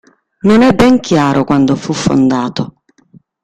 Non è ben chiaro quando fu fondato.